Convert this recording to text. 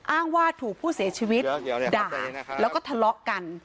อ้างว่าถูกผู้เสียชีวิตด่าแล้วก็ทะเลาะกัน